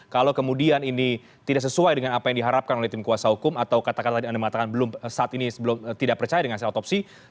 kalau kemudian ini tidak sesuai dengan apa yang diharapkan oleh tim kuasa hukum atau kata kata yang anda katakan saat ini belum tidak percaya dengan hasil otopsi ulang